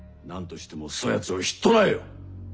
何としてもそやつを引っ捕らえよ。